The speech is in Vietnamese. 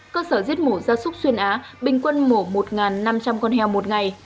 cơ sở giết mổ ra súc xuyên á bình quân mổ một năm trăm linh con heo một ngày